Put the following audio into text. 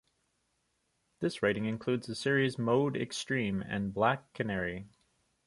This writing includes the series "Mode Extreme" and "Black Canary".